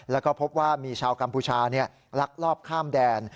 แล้วก็พบว่ามีชาวกัมพูชาลักลอบข้ามแดน